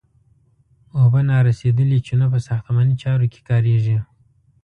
اوبه نارسیدلې چونه په ساختماني چارو کې کاریږي.